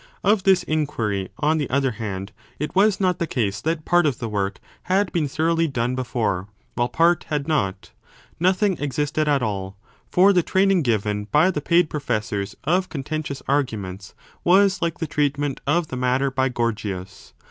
Of this inquiry, on the other 1 183*27. CHAPTER XXXIV i8 3 b hand, it was not the case that part of the work had been 35 thoroughly done before, while part had not. Nothing existed at all. For the training given by the paid pro fessors of contentious arguments was like the treatment of the matter by Gorgias.